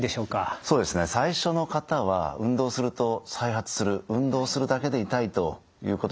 そうですね最初の方は運動すると再発する運動するだけで痛いということです。